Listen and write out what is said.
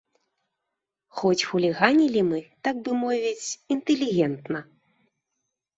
Хоць хуліганілі мы, так бы мовіць, інтэлігентна.